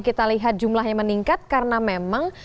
kita lihat jumlahnya meningkat karena memang